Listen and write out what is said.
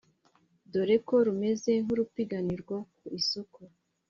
Dore ko rumeze nk`urupiganirwa ku isoko